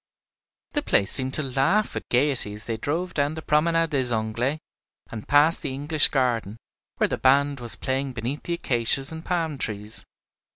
The place seemed to laugh with gayety as they drove down the Promenade des Anglais and past the English garden, where the band was playing beneath the acacias and palm trees.